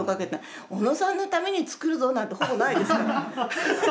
「小野さんのために作るぞ！」なんてほぼないですから。